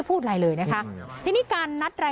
ปอล์กับโรเบิร์ตหน่อยไหมครับ